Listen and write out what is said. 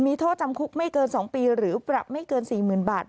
มีโทษจำคุกไม่เกิน๒ปีหรือปรับไม่เกิน๔๐๐๐บาท